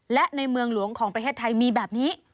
และในเมืองหลวงของประเทศไทยมีแบบนี้